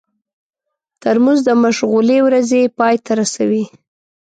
ترموز د مشغولې ورځې پای ته رسوي.